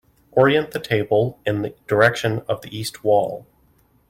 Orient the table in the direction of the east wall.